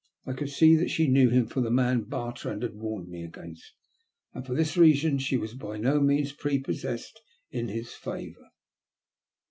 I could see that she knew him for the man Bartrand had warned me against, and for this reason she was by no means prepossessed in his favour.